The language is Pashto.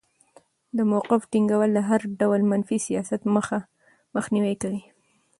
د موقف ټینګول د هر ډول منفي سیاست مخنیوی کوي.